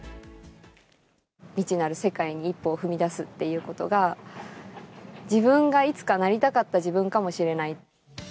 未知なる世界に一歩を踏み出すっていうことが、自分がいつかなりたかった自分かもしれない。